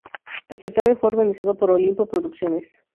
El certamen fue organizado por Olimpo Producciones.